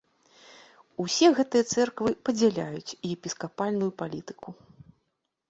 Усе гэтыя цэрквы падзяляюць епіскапальную палітыку.